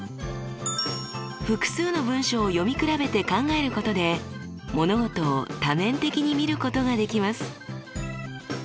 複数の文章を読み比べて考えることで物事を多面的に見ることができます。